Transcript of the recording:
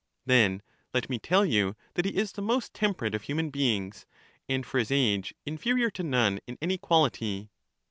Then let me tell you that he is the most temperate of himian beings, and for his age inferior to none in any quahty.